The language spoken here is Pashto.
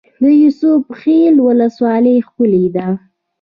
د یوسف خیل ولسوالۍ ښکلې ده